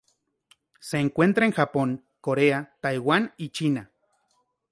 Se encuentra en Japón, Corea, Taiwan y China.